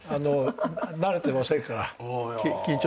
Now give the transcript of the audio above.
慣れてませんから緊張します。